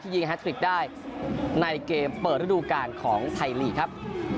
ที่ยิงได้ในเกมเปิดฤดูการของไทยลีกครับ